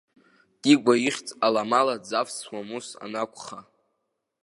Дигәа ихьӡ аламала дзавсуам, ус анакәха.